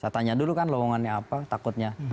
saya tanya dulu kan lowongannya apa takutnya